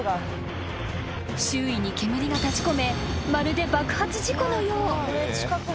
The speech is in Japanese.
［周囲に煙が立ち込めまるで爆発事故のよう］